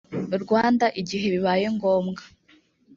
rwanda igihe bibaye ngombwa